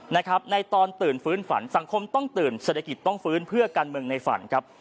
ในตอนตื่นฟื้นฝันสังคมต้องตื่นเศรษฐกิจต้องฟื้นเพื่อการเมืองในฝันครับ